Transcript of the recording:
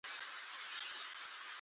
لکه لټکه هسې ټګي لري